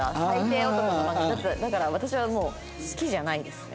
だから私はもう好きじゃないですね。